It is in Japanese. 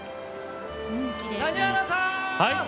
谷原さん！